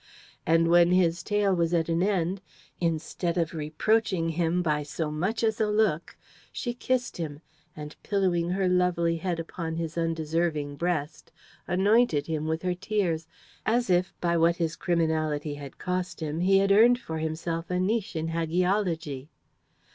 And when his tale was at an end, instead of reproaching him by so much as a look, she kissed him, and, pillowing her lovely head upon his undeserving breast, anointed him with her tears, as if by what his criminality had cost him he had earned for himself a niche in hagiology.